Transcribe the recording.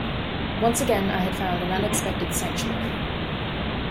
Once again I had found an unexpected sanctuary.